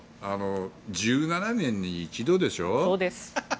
１７年に一度でしょう。